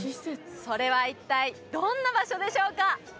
それは一体どんな場所でしょうか？